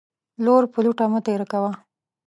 لور پر لوټه مه تيره کوه.